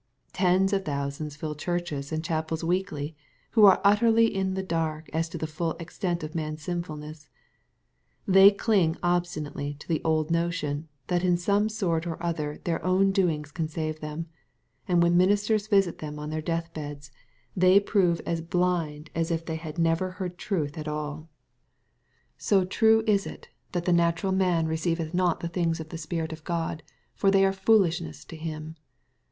Tens of thousands fill churches and chapels weekly, who are utterly in the dark as to the full extent of man's sinfulness They cling obstinately to the old notion, that in some sort or other their own doings can save them — and when ministers visit them on their death beds, they prove as blind as if they had never 240 EXPOSITORY THOUanTS. ~^ heard truth at alL So true is it^ that the '' natural man receiveth not the things of the Spirit of God, for they are foolishness to him."